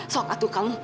sok atuh kamu